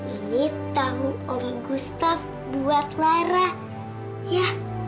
ini tahu om gustaf buat lara ya